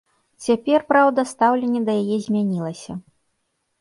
Цяпер, праўда, стаўленне да яе змянілася.